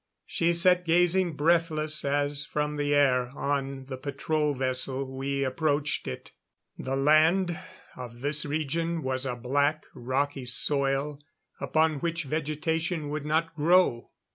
She sat gazing breathless as from the air on the patrol vessel, we approached it. The land of this region was a black, rocky soil upon which vegetation would not grow.